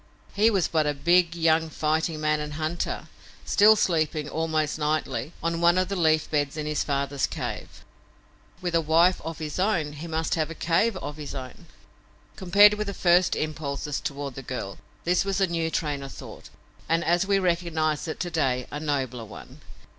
He was but a big, young fighting man and hunter, still sleeping, almost nightly, on one of the leaf beds in his father's cave. With a wife of his own he must have a cave of his own. Compared with his first impulses toward the girl, this was a new train of thought, and, as we recognize it to day, a nobler one.